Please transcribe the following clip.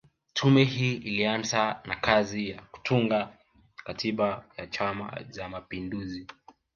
Tume hii ilianza na kazi ya kutunga Katiba ya Chama Cha mapinduzi